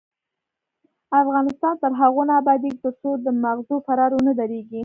افغانستان تر هغو نه ابادیږي، ترڅو د ماغزو فرار ونه دریږي.